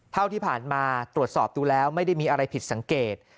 เท่าที่ผ่านมาตรวจสอบดูแล้วไม่ได้มีอะไรผิดสังเกต